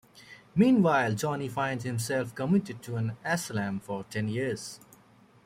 Meanwhile Johnny finds himself committed to an asylum for ten years.